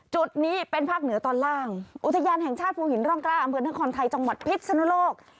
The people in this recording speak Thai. จุดนี้เป็นภาคเหนือตอนล่างอุทยานแห่งชาติภูหินร่องกล้าอำเภอนครไทยจังหวัดพิษนุโลก